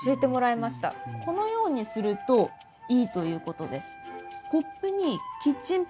このようにするといいということです。